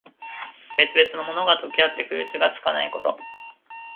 別々のものが、とけあって区別がつかないこと。